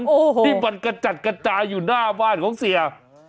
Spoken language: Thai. โอ้โหที่มันกระจัดกระจายอยู่หน้าบ้านของเสีย